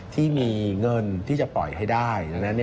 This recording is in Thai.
ที่มีเงินที่จะปล่อยให้ได้